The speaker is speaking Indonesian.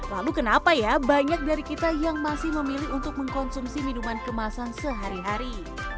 lalu kenapa ya banyak dari kita yang masih memilih untuk mengkonsumsi minuman kemasan sehari hari